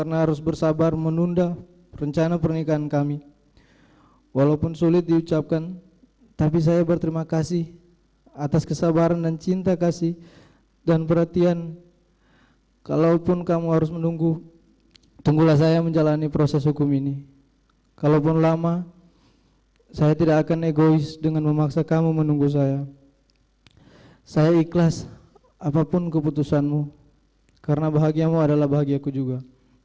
eliezer mengucapkan walaupun sulit diucapkan terima kasih atas kesabaran cinta kasih dan perhatian yang telah diberikan tunangannya